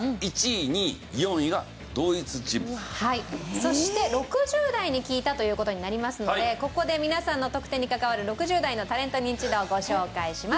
そして６０代に聞いたという事になりますのでここで皆さんの得点に関わる６０代のタレントニンチドをご紹介します。